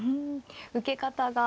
受け方が。